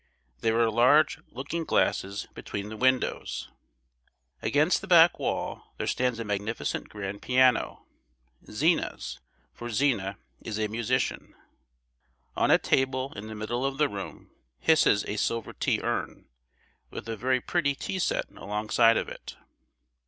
There are large looking glasses between the windows. Against the back wall there stands a magnificent grand piano—Zina's—for Zina is a musician. On a table in the middle of the room hisses a silver tea urn, with a very pretty tea set alongside of it.